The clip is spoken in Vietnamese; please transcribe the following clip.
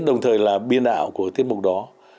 đồng thời là biên đạo của tiết mục đó